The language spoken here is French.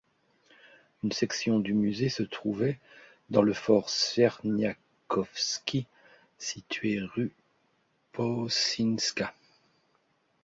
Une section du musée se trouvait dans le fort Czerniakowski situé rue Powsińska.